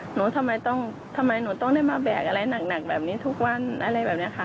หนูทำไมต้องทำไมหนูต้องได้มาแบกอะไรหนักแบบนี้ทุกวันอะไรแบบนี้ค่ะ